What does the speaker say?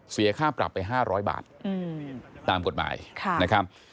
เสียค่าปรับไป๕๐๐บาทตามกฎหมายนะครับ